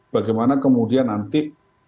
bagaimana kemudian nanti